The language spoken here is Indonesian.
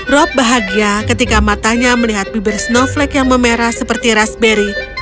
rob bahagia ketika matanya melihat bibir snowflake yang memerah seperti raspberry